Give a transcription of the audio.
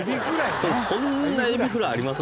こんなエビフライあります？